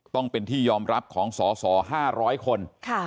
ต้องเป็นที่ยอมรับของสอห้าร้อยคน